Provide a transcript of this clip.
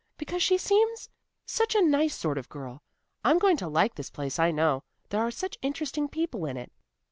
"Because she seems such a nice sort of girl. I'm going to like this place, I know. There are such interesting people in it."